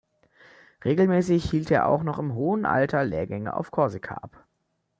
Regelmäßig hielt er auch noch im hohen Alter Lehrgänge auf Korsika ab.